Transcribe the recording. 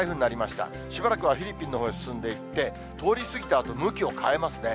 しばらくはフィリピンのほうへ進んでいって、通り過ぎたあと、向きを変えますね。